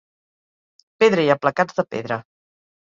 Pedra i aplacats de pedra.